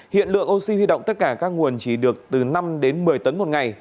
hiện lượng oxy huy động tất cả các nguồn chỉ được từ năm đến một mươi tấn một ngày